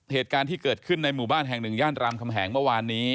เหตุการณ์ที่เกิดขึ้นในหมู่บ้านแห่งหนึ่งย่านรามคำแหงเมื่อวานนี้